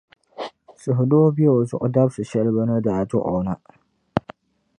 Suhudoo be o zuɣu dabsi shεli bɛ ni daa dɔɣi o na.